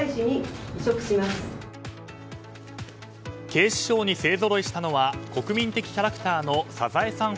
警視庁に勢ぞろいしたのは国民的キャラクターの「サザエさん」